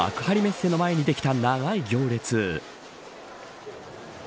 昨日、幕張メッセの前にできた長い行列。